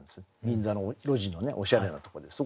銀座の路地のおしゃれなとこです。